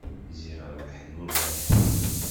Ziɣ rebḥen ur d-berrḥen.